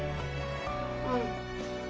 うん。